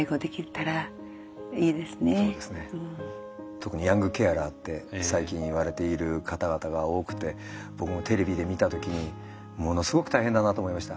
特にヤングケアラーって最近言われている方々が多くて僕もテレビで見た時にものすごく大変だなと思いました。